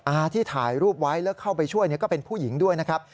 อาที่ถ่ายรูปไว้แล้วเข้าไปช่วยก็เป็นผู้หญิงด้วยนะครับ